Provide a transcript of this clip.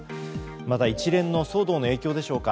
また一連の騒動の影響でしょうか。